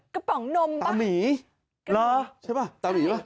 กระป๋องนมป่ะตาหมีหรือใช่ป่ะตาหมีป่ะ